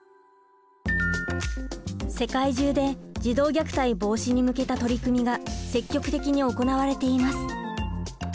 世界中で児童虐待防止に向けた取り組みが積極的に行われています。